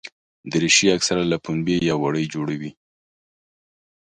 دریشي اکثره له پنبې یا وړۍ جوړه وي.